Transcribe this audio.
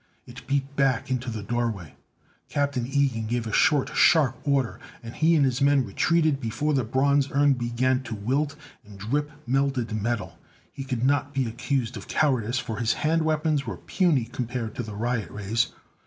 It beat back into the doorway. Captain Ilgen gave a short, sharp order, and he and his men retreated before the bronze urn began to wilt and drip melted metal. He could not be accused of cowardice, for his hand weapons were puny compared to the riot rays.